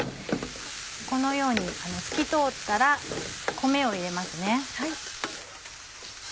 このように透き通ったら米を入れますね。